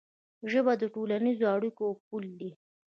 ژبه د ټولنیزو اړیکو پل دی.